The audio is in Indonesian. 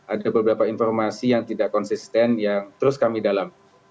ada beberapa informasi yang tidak konsisten yang terus kami dalam